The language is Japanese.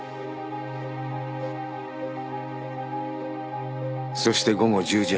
そして午後１０時半。